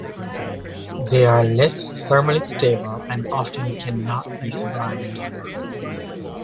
They are less thermally stable and often can not be sublimed.